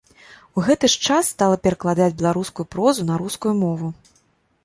У гэты ж час стала перакладаць беларускую прозу на рускую мову.